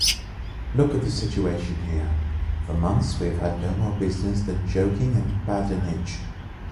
Look at the situation here, for months we have no more business than joking and badinage.